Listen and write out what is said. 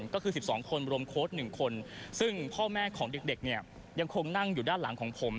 ก็คือ๑๒คนรวมโค้ด๑คนซึ่งพ่อแม่ของเด็กเนี่ยยังคงนั่งอยู่ด้านหลังของผม